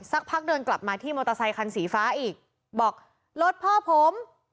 สักพักเดินกลับมาที่มอเตอร์ไซคันสีฟ้าอีกบอกรถพ่อผม